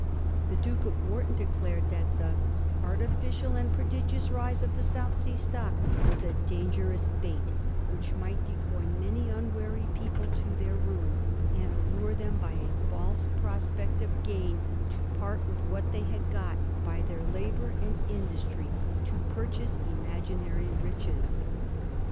The Duke of Wharton de clared that ^ the artificial and prodigious rise of the South Sea stock was a dangerous bait, which might decoy many unwary people to their ruin, and allure them, by a false prospect of gain, to part with what they had got by their labour and industry, to pur chase imaginary riches.'